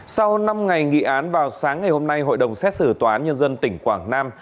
sau năm ngày nghị án vào sáng ngày hôm nay hội đồng xét xử tòa án nhân dân tỉnh quảng nam